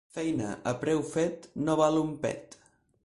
Feina a preu fet no val un pet.